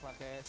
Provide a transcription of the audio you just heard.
ini udah terus